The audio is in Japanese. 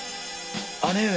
姉上！